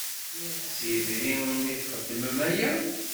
S yedrimen i txeddmem aya?